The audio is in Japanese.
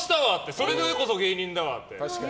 それでこそ芸人だわって。